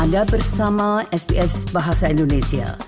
anda bersama sps bahasa indonesia